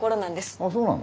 あっそうなの？